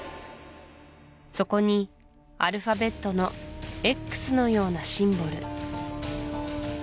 そこにアルファベットのＸのようなシンボル